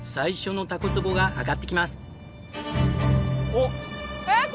おっ！